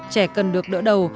trẻ cần được đỡ đầu